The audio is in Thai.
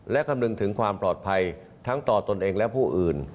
และคำนึงถึงความปลอดภัยทั้งต่อตนเองและผู้อื่น